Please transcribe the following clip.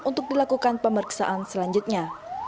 untuk dilakukan pemeriksaan selanjutnya